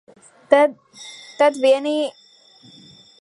Tad vienā brīdī mans ķermenis nometa sevi zemē, par laimi, uz paklāja.